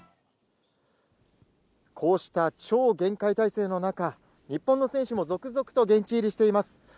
こうした超厳戒態勢の中、日本の選手も続々と現地入りしています。